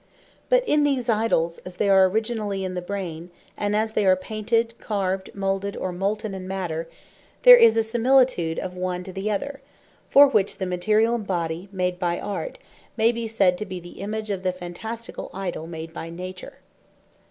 But in these Idols, as they are originally in the Brain, and as they are painted, carved, moulded, or moulten in matter, there is a similitude of the one to the other, for which the Materiall Body made by Art, may be said to be the Image of the Phantasticall Idoll made by Nature.